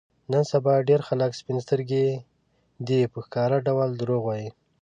د نن سبا ډېری خلک سپین سترګي دي، په ښکاره ډول دروغ وايي.